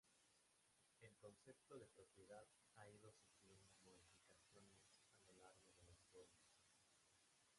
El concepto de propiedad ha ido sufriendo modificaciones a lo largo de la historia.